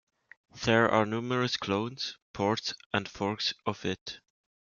There are numerous clones, ports, and forks of it.